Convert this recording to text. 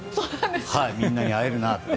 みんなに会えるなって。